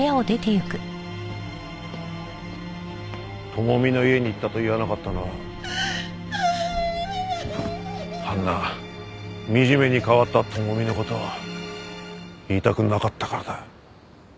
智美の家に行ったと言わなかったのはあんな惨めに変わった智美の事を言いたくなかったからだ。